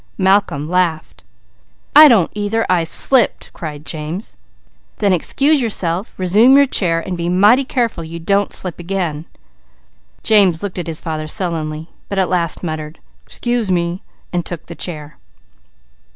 Malcolm laughed. "I don't either. I slipped," cried James. "Then excuse yourself, resume your chair, and be mighty careful you don't slip again." James looked at his father sullenly, but at last muttered, "Excuse me," and took the chair.